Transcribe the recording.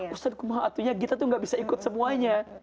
ustaz kumohon atunya kita tuh nggak bisa ikut semuanya